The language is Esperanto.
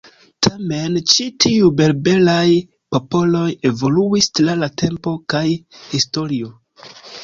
Tamen ĉi tiuj berberaj popoloj evoluis tra la tempo kaj historio.